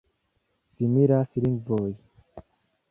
Similas lingvoj.